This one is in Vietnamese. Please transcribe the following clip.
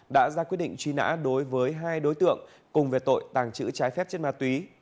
đã ra quyết định truy nã đối với hai đối tượng cùng về tội tàng trữ trái phép chất ma túy